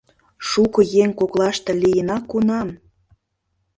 Шуко еҥ коклаште лийына кунам